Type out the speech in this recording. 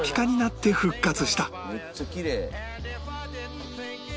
むっちゃきれい。